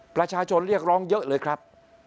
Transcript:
ประชาชนเรียกร้องเยอะเลยครับ